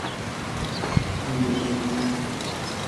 নিজের প্রতি ঘৃণা হচ্ছে।